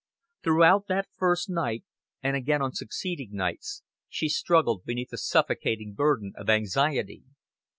Throughout that first night, and again on succeeding nights, she struggled beneath a suffocating burden of anxiety.